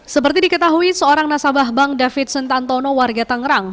seperti diketahui seorang nasabah bank davidson tantono warga tangerang